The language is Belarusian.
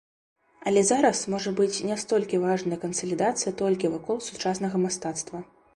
Але зараз можа быць не столькі важная кансалідацыя толькі вакол сучаснага мастацтва.